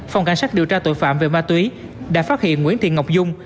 phòng cảnh sát điều tra tội phạm về ma túy đã phát hiện nguyễn thị ngọc dung